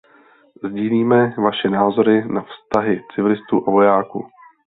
Sdílíme vaše názory na vztahy civilistů a vojáků.